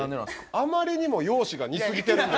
あまりにも容姿が似すぎてるんで。